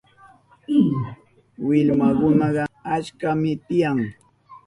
Willmankunaka achkami tiyan.